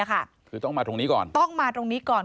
คือต้องมาตรงนี้ก่อนต้องมาตรงนี้ก่อน